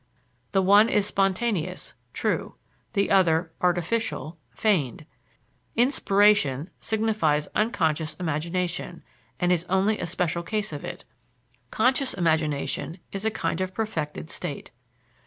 The one is spontaneous, true; the other, artificial, feigned. "Inspiration" signifies unconscious imagination, and is only a special case of it. Conscious imagination is a kind of perfected state.